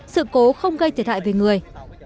sự cố không gây thiệt hại về người